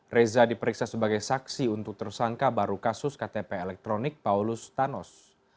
reza diperiksa sebagai saksi untuk tersangka baru kasus ktp elektronik paulus thanos